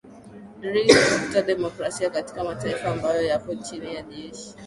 dri kukuta demokrasia katika mataifa ambayo yapo chini ya jeshi